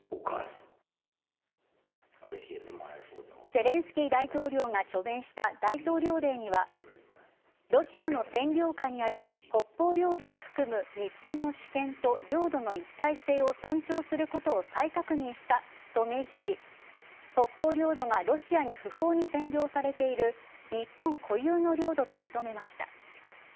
ゼレンスキー大統領が署名した大統領令にはロシアの占領下にある北方領土を含む日本の主権と領土の一体性を尊重することを再確認したと明記し北方領土がロシアに不法に占領されている日本固有の領土と認めました。